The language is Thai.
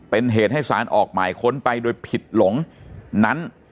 เป็นเหตุให้สารออกหมายค้นไปโดยผิดหลงนั้น